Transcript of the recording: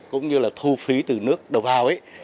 cũng như là thu phí từ nước đầu vào ấy